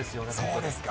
そうですか。